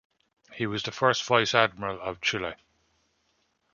He was the first Vice Admiral of Chile.